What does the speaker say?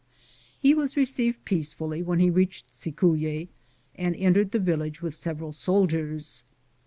He was received peacefully when he reached Cicuye, and entered the village with several soldiers.